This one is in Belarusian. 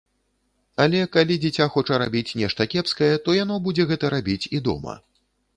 Але, калі дзіця хоча рабіць нешта кепскае, то яно будзе гэта рабіць і дома.